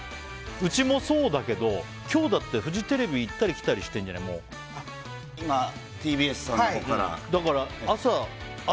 うちもそうだけど今日だってフジテレビ行ったり来たり今、ＴＢＳさんのほうから。